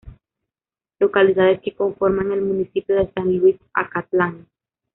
Localidades que conforman el municipio de San Luis Acatlán.